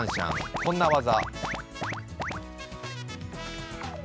こんな技。